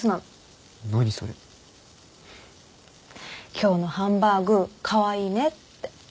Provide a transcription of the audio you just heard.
今日のハンバーグカワイイねって。